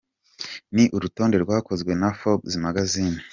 Ni urutonde rwakozwe na Forbes Magazine.